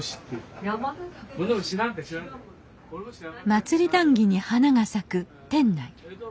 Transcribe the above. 祭り談議に花が咲く店内。